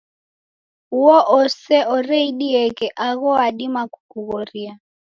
Uo ose oreidieghe agho wadima kukughoria.